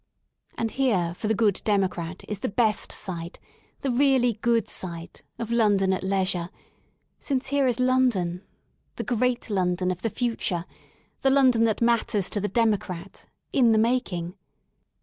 And here for the good democrat is the best sight — the really good sight — of London at leisure, since here is London, the great London of the future, the London that matters to the democrat, in the making.